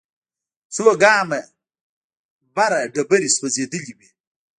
څو ګامه بره ډبرې سوځېدلې وې.